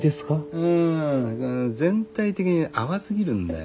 うん全体的に淡すぎるんだよ。